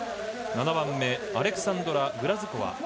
７番目アレクサンドラ・グラズコワ。